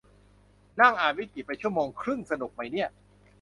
นั่งอ่านวิกิไปชั่วโมงครึ่ง สนุกมั้ยเนี่ย